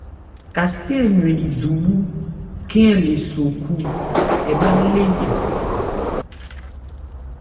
Kasé ɛ ywɛnli dubhú khɛ́n ɛ le so khú, ɛ bhâ lé ya.